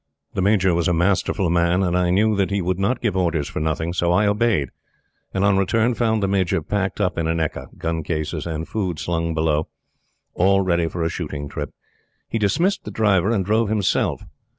The Major was a masterful man; and I knew that he would not give orders for nothing. So I obeyed, and on return found the Major packed up in an ekka gun cases and food slung below all ready for a shooting trip. He dismissed the driver and drove himself.